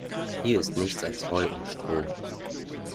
Hier ist nichts als Heu und Stroh.